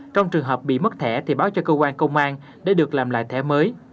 trong trường hợp bị mất thẻ thì báo cho cơ quan công an để được làm lại thẻ mới